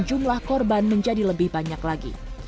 jumlah korban menjadi lebih banyak lagi